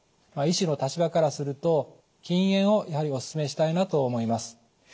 医師の立場からすると禁煙をやはりお勧めしたいなと思います。